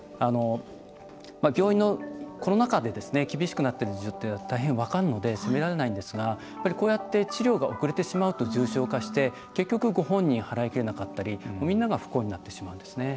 病院のコロナ禍で厳しくなっている事情って大変分かるので責められないんですがこうやって治療が遅れてしまうと重症化して結局ご本人が払い切れなかったりみんなが不幸になってしまうんですね。